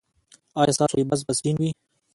ایا ستاسو لباس به سپین وي؟